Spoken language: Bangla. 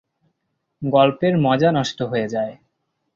গল্পের মজা নষ্ট হয়ে যায়।